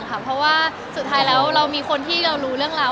เพราะว่าสุดท้ายแล้วเรามีคนที่เรารู้เรื่องราว